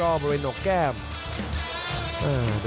โอ้โหโอ้โหโอ้โหโอ้โหโอ้โห